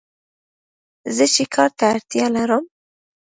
زه چې کار ته اړتیا لرم